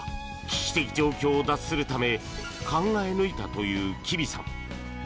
危機的状況を脱するため考え抜いたという吉備さん。